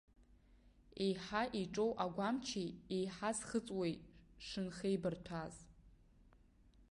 Еиҳа иҿоу агәамчи еиҳа зхыҵуеи шынхеибарҭәааз.